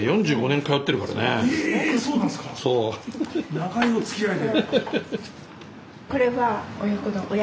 長いおつきあいで。